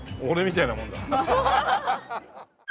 俺みたいなもんだ。